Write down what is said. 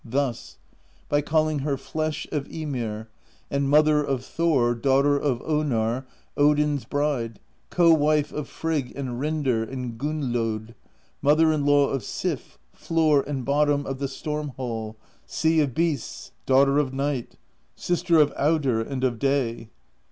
Thus: by calling her Flesh of Ymir, and Mother of Thor, Daughter of Onarr, Odin's Bride, Co Wife of Frigg and Rindr and Gunnlod, Mother in law of Sif, Floor and Bottom of the Storm Hall, Sea of Beasts, Daughter of Night, Sister of Audr and of Day.